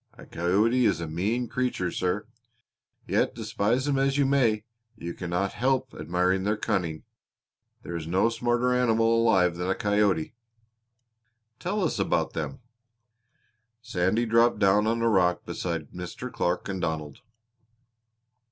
A coyote is a mean creature, sir. Yet despise 'em as you may you cannot help admiring their cunning. There is no smarter animal alive than a coyote!" "Tell us about them." Sandy dropped down on a rock beside Mr. Clark and Donald.